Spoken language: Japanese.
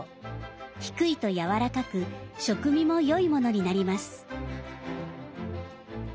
低いとやわらかく食味も良いものになります。